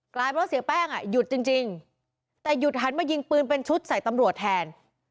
กลายเป็นว่าเสียแป้งอ่ะหยุดจริงแต่หยุดหันมายิงปืนเป็นชุดใส่ตำรวจแทน